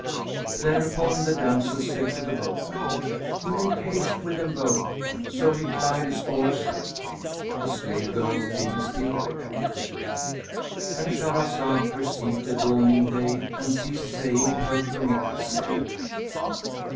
Thereupon the damsel said to the boatman, "Make haste with them both." So he plied his oars deftly (the slave girl being still with them);—And Shahrazad perceived the dawning day and ceased saying her permitted say.